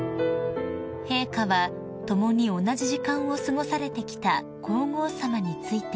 ［陛下は共に同じ時間を過ごされてきた皇后さまについて］